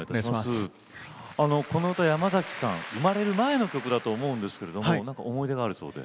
この曲山崎さんが生まれる前の曲だと思いますが思い出があるそうで。